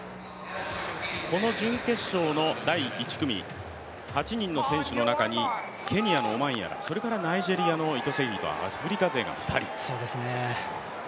この準決勝の第１組、８人の選手の中にケニアのオマンヤラ、ナイジェリアのイトセキリとアフリカ勢が２人。